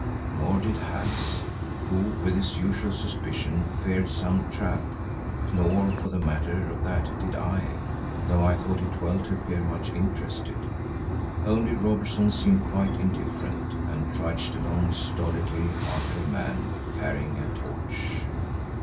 Nor did Hans, who with his usual suspicion, feared some trap; nor, for the matter of that, did I, though I thought it well to appear much interested. Only Robertson seemed quite indifferent and trudged along stolidly after a man carrying a torch.